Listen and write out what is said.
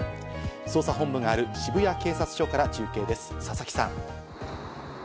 捜査本部がある渋谷警察署から中継です、佐々木さん。